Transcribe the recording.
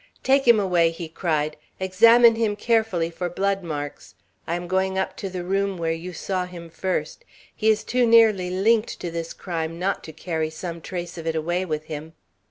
"Take him away!" he cried. "Examine him carefully for blood marks. I am going up to the room where you saw him first. He is too nearly linked to this crime not to carry some trace of it away with him."